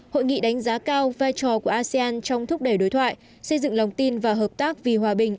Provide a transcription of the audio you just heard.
hội nghị đánh giá cao vai trò của asean trong thúc đẩy đối thoại xây dựng lòng tin và hợp tác vì hòa bình